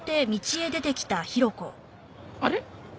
あれ？